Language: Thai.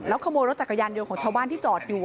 แล้วขโมยรถจักรยานเดียวของชาวบ้านที่จอดอยู่